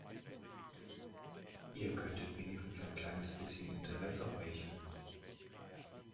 Ihr könntet wenigstens ein kleines bisschen Interesse heucheln.